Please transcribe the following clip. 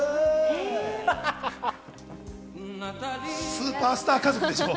スーパースター家族でしょ。